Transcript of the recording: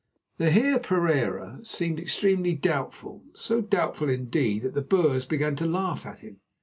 The Heer Pereira seemed extremely doubtful; so doubtful, indeed, that the Boers began to laugh at him.